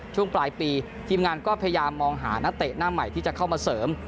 ช่วงปลายปีทีมงานก็พยายามมองหานักเตะหน้าใหม่ที่จะเข้ามาเสริม